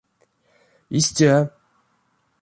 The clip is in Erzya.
Истя.